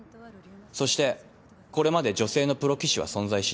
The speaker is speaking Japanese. そしてこれまで女性のプロ棋士は存在しない。